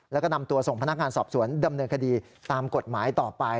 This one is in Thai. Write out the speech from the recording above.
แล้วก็นำตัวส่งพนักงานสอบสวนดำเนินคดีตามกฎหมายต่อไป